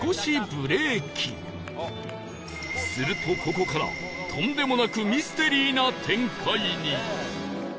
するとここからとんでもなくミステリーな展開に！